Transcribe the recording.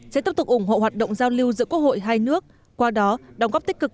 sẽ tiếp tục ủng hộ hoạt động giao lưu giữa quốc hội hai nước qua đó đóng góp tích cực